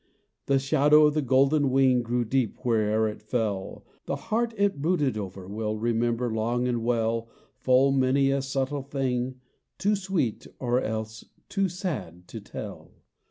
The shadow of the golden wing Grew deep where'er it fell. The heart it brooded over will Remember long and well Full many a subtle thing, too sweet Or else too sad to tell.